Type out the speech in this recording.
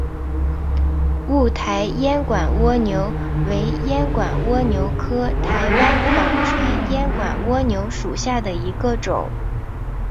雾台烟管蜗牛为烟管蜗牛科台湾纺锤烟管蜗牛属下的一个种。